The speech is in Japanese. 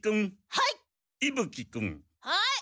はい！